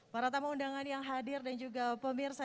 para tamu undangan yang hadir dan juga pemirsa